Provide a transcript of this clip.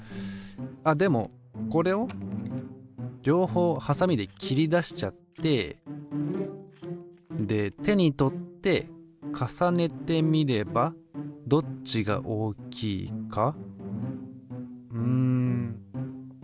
あっでもこれを両方ハサミで切り出しちゃってで手に取って重ねてみればどっちが大きいかうんやっぱイマイチわかんないな。